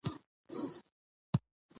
نوور هلکانو نورګل کاکا ته وويل